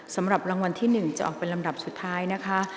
สำหรับรางวัลที่๑จะออกเป็นลำดับสุดท้ายนะคะ